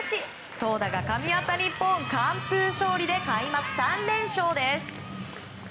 投打がかみ合った日本完封勝利で開幕３連勝です。